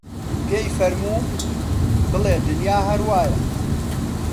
پێی فەرموو: بەڵێ دونیا هەر وایە